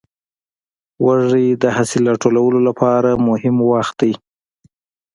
وږی د حاصل راټولو لپاره مهم وخت دی.